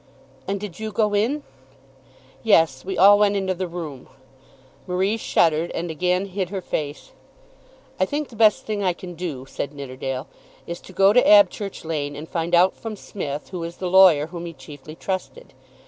"And did you go in?" "Yes; we all went into the room." Marie shuddered, and again hid her face. "I think the best thing I can do," said Nidderdale, "is to go to Abchurch Lane, and find out from Smith who is the lawyer whom he chiefly trusted.